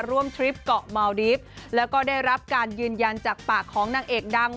ทริปเกาะเมาดีฟแล้วก็ได้รับการยืนยันจากปากของนางเอกดัง